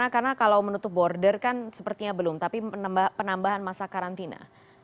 karena kalau menutup border kan sepertinya belum tapi penambahan masa karantina